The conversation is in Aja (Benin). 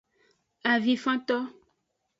Avinfanto.